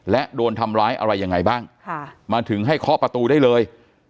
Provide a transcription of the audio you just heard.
และโดนทำร้ายอะไรยังไงบ้างมาถึงให้เคาะประตูได้เลย